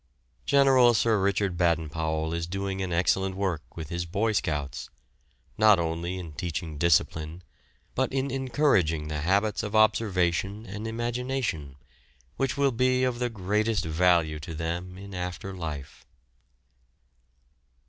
General Sir Richard Baden Powell is doing an excellent work with his "boy scouts," not only in teaching discipline, but in encouraging the habits of observation and imagination, which will be of the greatest value to them in after life.